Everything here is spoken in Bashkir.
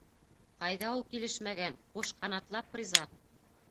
Ҡайҙа ул килешмәгән, ҡуш ҡанатлап риза!